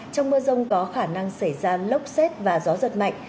trong mưa rông có khả năng xảy ra lốc xét và gió giật mạnh